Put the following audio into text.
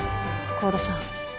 香田さん。